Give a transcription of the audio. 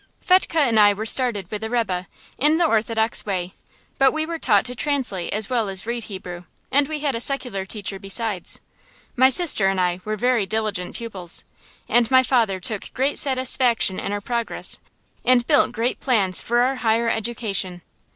Fetchke and I were started with a rebbe, in the orthodox way, but we were taught to translate as well as read Hebrew, and we had a secular teacher besides. My sister and I were very diligent pupils, and my father took great satisfaction in our progress and built great plans for our higher education.